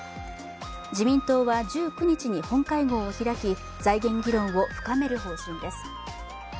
自民党は１９日に本会合を開き財源議論を深める方針です。